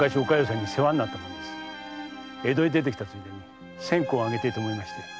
江戸へ出てきたついでに線香を上げたいと思いまして。